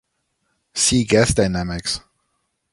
See gas dynamics.